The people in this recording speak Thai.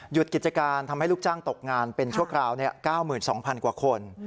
กิจการทำให้ลูกจ้างตกงานเป็นชั่วคราว๙๒๐๐๐กว่าคน